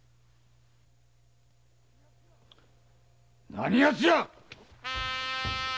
何やつじゃ！